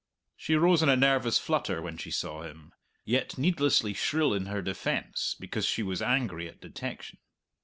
She rose in a nervous flutter when she saw him; yet needlessly shrill in her defence, because she was angry at detection.